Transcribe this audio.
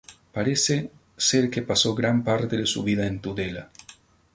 Parece ser que pasó gran parte de su vida en Tudela.